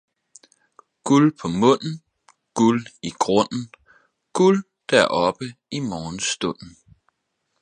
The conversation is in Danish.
Guld på munden, guld i grunden, guld deroppe i morgenstunden!